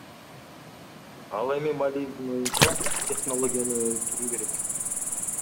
Ал эми Малиевдин оюнча, технологияны өнүктүрүү керек.